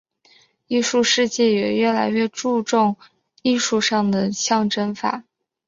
艺术世界也越来越注重艺术上的象征法。